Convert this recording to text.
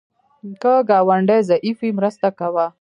که ګاونډی ضعیف وي، مرسته کوه